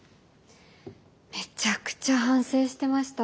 めちゃくちゃ反省してました。